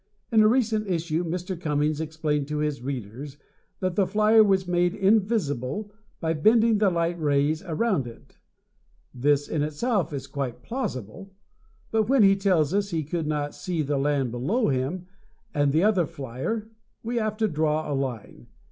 In a recent issue Mr. Cummings explained to his readers that the flyer was made invisible by bending the light rays around it. This in itself is quite plausible, but when he tells us he could see the land below them, and the other flyer, we have to draw a line.